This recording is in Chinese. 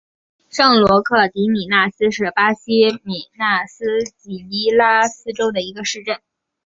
圣罗克迪米纳斯是巴西米纳斯吉拉斯州的一个市镇。